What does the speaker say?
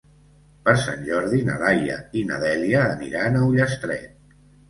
Per Sant Jordi na Laia i na Dèlia aniran a Ullastret.